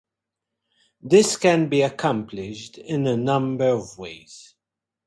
This can be accomplished in any number of ways.